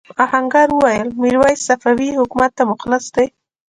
آهنګر وویل میرويس صفوي حکومت ته مخلص دی.